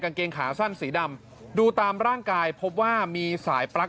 เกงขาสั้นสีดำดูตามร่างกายพบว่ามีสายปลั๊ก